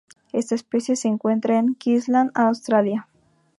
Esta especie se encuentra en Queensland, Australia.